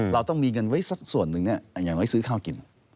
เราต้องมีเงินไว้สักส่วนหนึ่งอย่างไว้ซื้อข้าวกิน